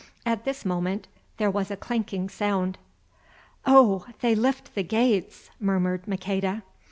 At this moment there was a clanking sound. "Oh! they lift the gates!" murmured Maqueda.